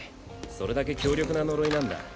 それだけ強力な呪いなんだ。